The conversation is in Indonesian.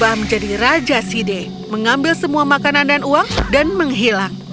berubah menjadi raja side mengambil semua makanan dan uang dan menghilang